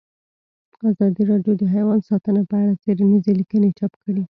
ازادي راډیو د حیوان ساتنه په اړه څېړنیزې لیکنې چاپ کړي.